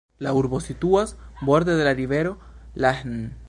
La urbo situas borde de la rivero Lahn.